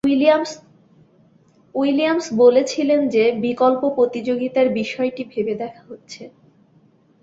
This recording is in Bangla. উইলিয়ামস বলেছিলেন যে, বিকল্প প্রতিযোগিতার বিষয়টি ভেবে দেখা হচ্ছে।